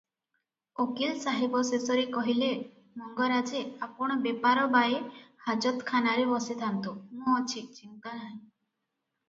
ଓକିଲ ସାହେବ ଶେଷରେ କହିଲେ -"ମଙ୍ଗରାଜେ! ଆପଣ ବେପାରବାଏ ହାଜତଖାନାରେ ବସିଥାନ୍ତୁ, ମୁଁ ଅଛି, ଚିନ୍ତା ନାହିଁ ।"